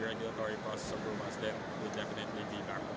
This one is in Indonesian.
jika itu dilakukan melalui proses regulasi dari rumas itu pasti dapat dilakukan